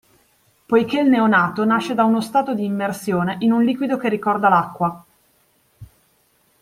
Poiché il neonato nasce da uno stato di immersione in un liquido che ricorda l'acqua.